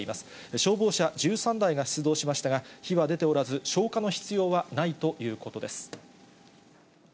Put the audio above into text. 消防車１３台が出動しましたが、火は出ておらず、消火の必要はないということです。